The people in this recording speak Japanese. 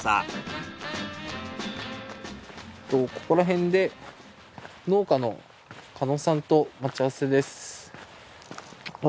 ここらへんで農家の狩野さんと待ち合わせです。